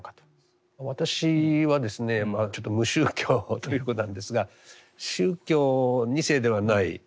私はですねちょっと無宗教ということなんですが宗教２世ではない。